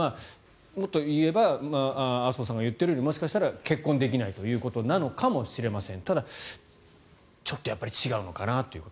もっと言えば麻生さんが言っているようにもしかしたら結婚できないということなのかもしれません。